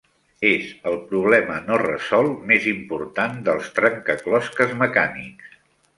És el problema no resolt més important dels trencaclosques mecànics.